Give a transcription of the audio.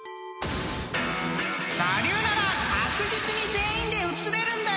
［我流なら確実に全員で写れるんだよ！］